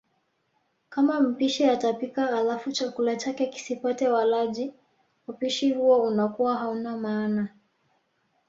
Kama mpishi atapika alafu chakula chake kisipate walaji, hupishi huo unakuwa hauna maana.